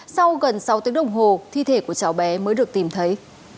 sau gần sáu tiếng đồng hồ thi thể của cháu bé mới được tìm thấy